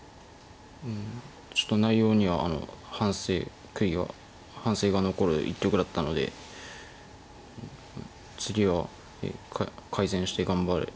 ちょっと内容には反省悔いが反省が残る一局だったので次は改善して頑張りたいです。